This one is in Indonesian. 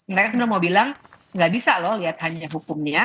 mereka sebenarnya mau bilang nggak bisa loh lihat hanya hukumnya